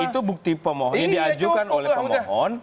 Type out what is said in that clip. itu bukti pemohon yang diajukan oleh pemohon